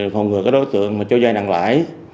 phòng ngừa cái đối tượng mà cho vai nặng lãi